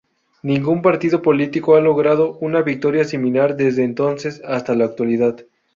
Ningún partido político ha logrado una victoria similar desde entonces hasta la actualidad.